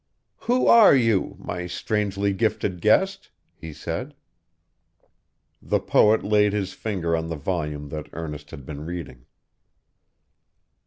'Who are you, my strangely gifted guest?' he said. The poet laid his finger on the volume that Ernest had been reading.